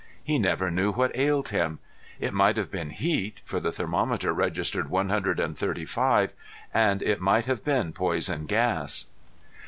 He never knew what ailed him. It might have been heat, for the thermometer registered one hundred and thirty five, and it might have been poison gas.